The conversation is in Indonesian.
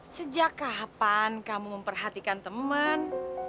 sejak kapan kamu memperhatikan teman